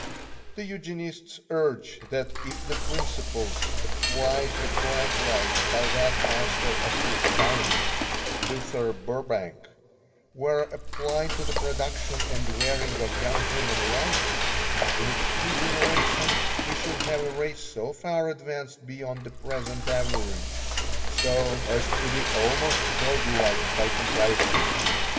The Eugenists urge that if the principles applied to plant life by that master of his science, Luther Burbank, were applied to the production and rearing of young human life, in a few generations we should have a race so far advanced beyond the present average as to be almost god like by comparison.